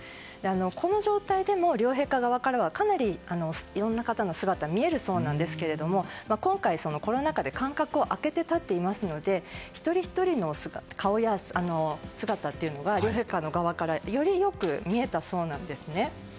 この状態でも両陛下側からはいろんな方の姿が見えるそうなんですが今回、コロナ禍で間隔を空けて立っていますので一人ひとりの顔や姿が両陛下の側からよりよく見えたそうなんです。